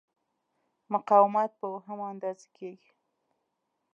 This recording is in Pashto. مقاومت په اوهم اندازه کېږي.